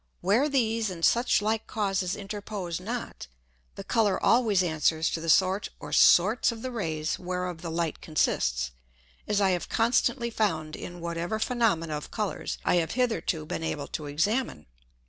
Where these and such like Causes interpose not, the Colour always answers to the sort or sorts of the Rays whereof the Light consists, as I have constantly found in whatever Phænomena of Colours I have hitherto been able to examine.